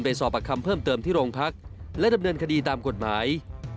สอบประคำเพิ่มเติมที่โรงพักและดำเนินคดีตามกฎหมาย